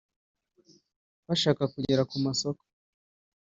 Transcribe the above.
bashaka kugera ku masoko